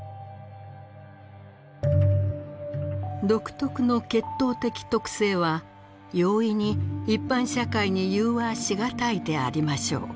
「独特の血統的特性は容易に一般社会に融和し難いでありましょう」。